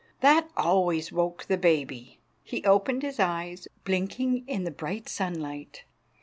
That always woke the baby. He opened his eyes, blinking in the bright sunlight.